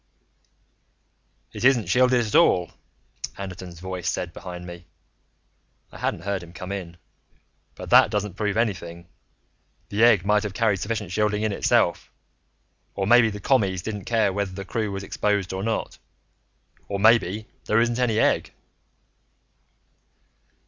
"It isn't shielded at all," Anderton's voice said behind me. I hadn't heard him come in. "But that doesn't prove anything. The egg might have carried sufficient shielding in itself. Or maybe the Commies didn't care whether the crew was exposed or not. Or maybe there isn't any egg."